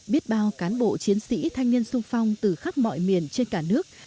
biết bao cán bộ chiến sĩ thanh niên sung phong từ khắp mọi miền trên cả nước